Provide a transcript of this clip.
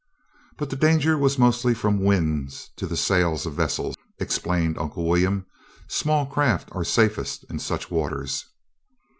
"But the danger was mostly from winds to the sails of vessels," explained Uncle William. "Small craft are safest in such waters."